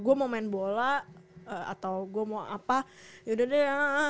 gue mau main bola atau gue mau apa yaudah deh